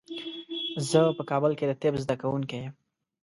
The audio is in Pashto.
زه په کابل کې د طب زده کوونکی یم.